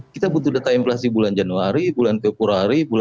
kita butuh data inflasi bulan januari bulan februari